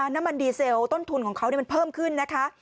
น้ำมันดีเซลต้นทุนของเขามันเพิ่มขึ้นนะคะ